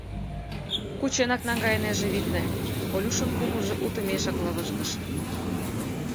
Кученак наҥгайынеже, витне», — Колюшын кумылжо утымешкак лывыжгыш.